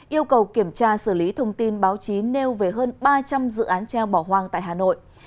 yêu cầu kiểm tra xử lý thông tin báo chí nêu về hơn ba trăm linh dự án treo bỏ hoang tại hà nội